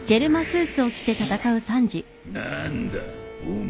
何だお前